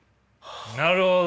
なるほど。